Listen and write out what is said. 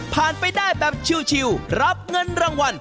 ไปได้แบบชิลรับเงินรางวัล